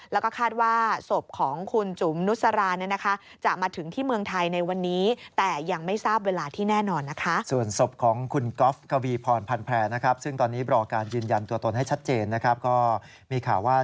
แล้วก็คาดว่าศพของคุณจุ๋มนุสราเนี่ยนะคะ